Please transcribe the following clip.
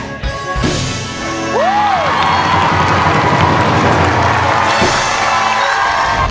เธอเป็นผู้สาวขาเลียน